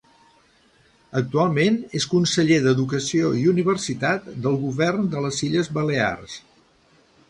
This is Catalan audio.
Actualment és Conseller d'Educació i Universitat del Govern de les Illes Balears.